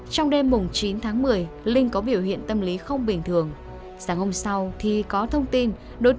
xong việc l và t mời linh là bạn đồng hương nhờ và giúp